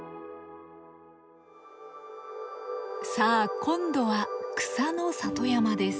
さあ今度は草の里山です。